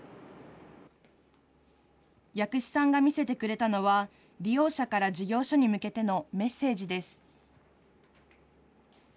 藥師さんが見せてくれたのは、利用者から事業所に向けてのメッセージです。